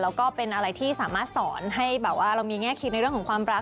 แล้วก็เป็นอะไรที่สามารถสอนให้แบบว่าเรามีแง่คิดในเรื่องของความรัก